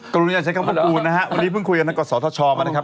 ก็รู้อย่างเช็ดข้างพวกคุณนะฮะวันนี้เพิ่งคุยกับนักก่อนสอทชมานะครับ